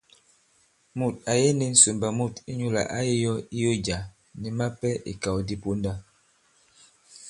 Mùt à yege ndī ŋsòmbà mût inyūlà ǎ yī yō iyo jǎ, nì mapɛ ìkàw di ponda.